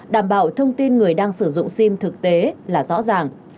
đảm bảo thông tin người đang sử dụng sim thực tế là rõ ràng